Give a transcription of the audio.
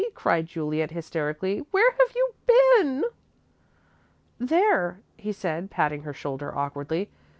cried Juliet, hysterically. "Where have you been?" "There," he said, patting her shoulder awkwardly.